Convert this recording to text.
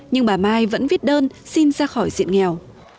nhưng bà mai vẫn viết đơn xin ra khỏi diện nghèo